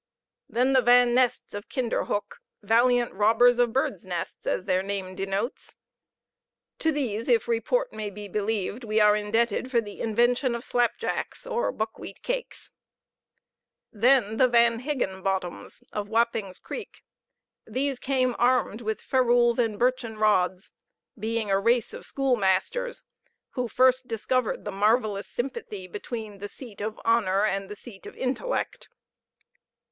Then the Van Nests of Kinderhoeck, valiant robbers of birds' nests, as their name denotes; to these, if report may be believed, are we indebted for the invention of slap jacks, or buckwheat cakes. Then the Van Higginbottoms, of Wapping's Creek; these came armed with ferrules and birchen rods, being a race of schoolmasters, who first discovered the marvelous sympathy between the seat of honor and the seat of intellect.